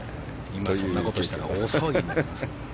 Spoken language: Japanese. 今そんなことをしたら大騒ぎになりますよ。